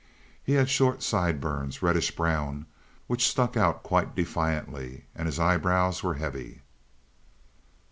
He had short side burns—reddish brown—which stuck out quite defiantly, and his eyebrows were heavy.